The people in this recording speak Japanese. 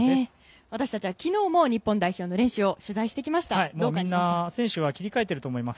私たちは昨日も日本代表の練習を取材してきました。